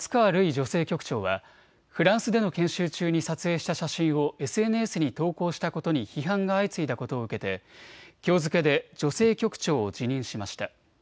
女性局長はフランスでの研修中に撮影した写真をＳＮＳに投稿したことに批判が相次いだことを受けてきょう付けで女性局長を辞任しました。